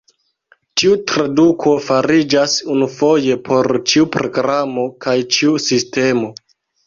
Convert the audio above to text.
Tiu traduko fariĝas unufoje por ĉiu programo kaj ĉiu sistemo.